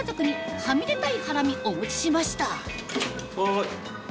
はい！